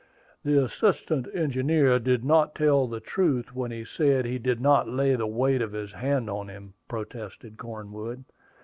"The assistant engineer did not tell the truth when he said he did not lay the weight of his hand on him," protested Cornwood.